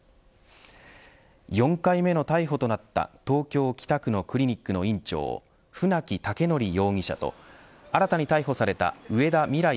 ４回目の逮捕となった東京、北区のクリニックの院長船木威徳容疑者と新たに逮捕された上田未来